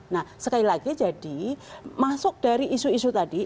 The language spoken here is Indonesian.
nah sekali lagi jadi masuk dari isu isu tadi